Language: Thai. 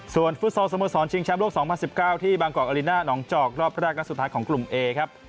ส่วนฟุตซอลสมสรรค์ชิงแชมป์โลกสองพันสิบเก้าที่บางกอกอลิน่านองค์จอกรอบแรกนักสุดท้ายของกลุ่มเอครับ